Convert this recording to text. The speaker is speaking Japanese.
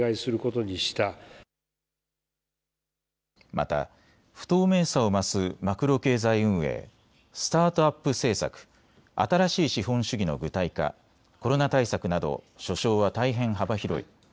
また不透明さを増すマクロ経済運営、スタートアップ政策、新しい資本主義の具体化、コロナ対策など所掌は大変幅広い。